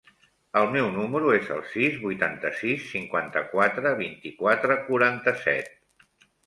El meu número es el sis, vuitanta-sis, cinquanta-quatre, vint-i-quatre, quaranta-set.